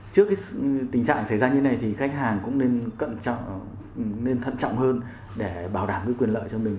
trước cái tình trạng xảy ra như thế này thì khách hàng cũng nên thận trọng hơn để bảo đảm cái quyền lợi cho mình